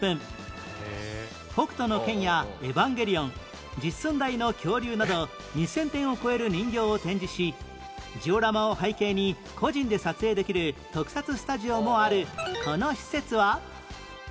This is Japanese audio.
『北斗の拳』や『エヴァンゲリオン』実寸大の恐竜など２０００点を超える人形を展示しジオラマを背景に個人で撮影できる特撮スタジオもあるこの施設は？